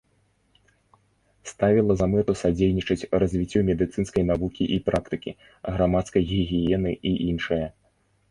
Ставіла за мэту садзейнічаць развіццю медыцынскай навукі і практыкі, грамадскай гігіены і іншае.